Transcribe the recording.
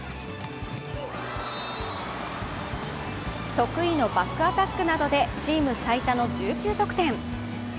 得意のバックアタックなどでチーム最多の１９得点。